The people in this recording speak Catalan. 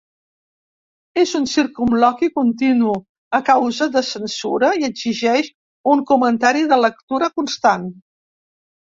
És un circumloqui continu a causa de censura i exigeix un comentari de lectura constant.